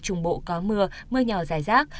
có mưa mưa nhỏ dài rác